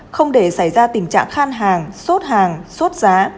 không để xảy ra tình trạng khan hàng sốt hàng sốt giá